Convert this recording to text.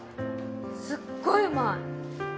すっごいうまい！